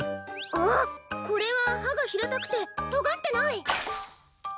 あっこれははがひらたくてとがってない！